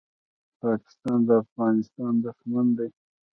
پاکستان د افغانستان دښمن دی.